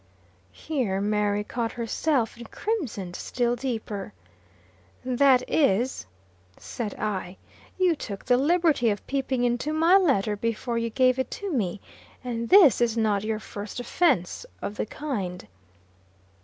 Here Mary caught herself, and crimsoned still deeper. "That is," said I, "you took the liberty of peeping into my letter before you gave it to me; and this is not your first offence of the kind."